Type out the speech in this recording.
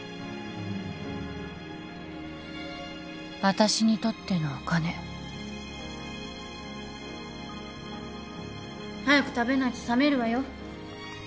私にとってのお金早く食べないと冷めるわよ。